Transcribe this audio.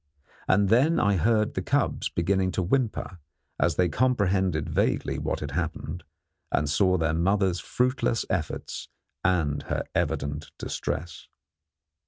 And then I heard the cubs beginning to whimper, as they comprehended vaguely what had happened, and saw their mother's fruitless efforts and her evident distress.